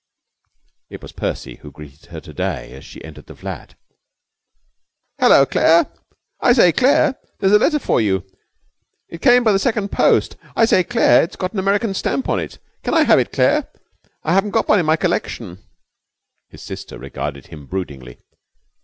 It was Percy who greeted her to day as she entered the flat. 'Halloa, Claire! I say, Claire, there's a letter for you. It came by the second post. I say, Claire, it's got an American stamp on it. Can I have it, Claire? I haven't got one in my collection.' His sister regarded him broodingly.